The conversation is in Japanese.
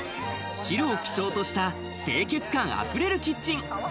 白を基調とした清潔感あふれるキッチン。